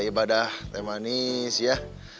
ibadah teh manis ya